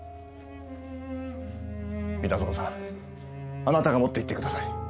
三田園さんあなたが持っていってください。